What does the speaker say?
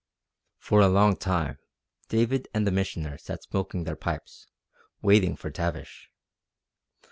For a long time David and the Missioner sat smoking their pipes, waiting for Tavish.